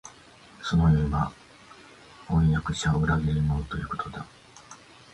その意味は、飜訳者は裏切り者、ということだ